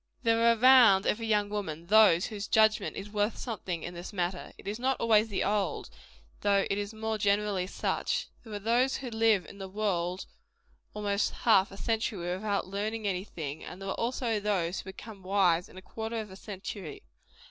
There are around every young woman, those whose judgment is worth something in this matter. It is not always the old though it is more generally such. There are those who live in the world almost half a century without learning any thing; and there are also those who become wise in a quarter of a century.